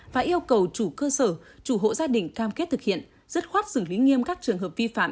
và yêu cầu chủ cơ sở chủ hộ gia đình cam kết thực hiện dứt khoát xử lý nghiêm các trường hợp vi phạm